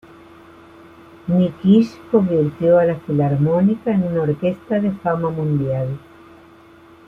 Nikisch convirtió a la Filarmónica en una orquesta de fama mundial.